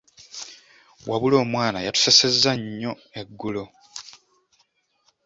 Wabula omwana yatusesezza nnyo eggulo.